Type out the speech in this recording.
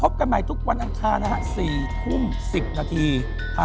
สวัสดีครับ